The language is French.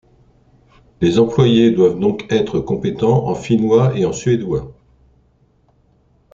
Les employés doivent donc être compétents en finnois et en suédois.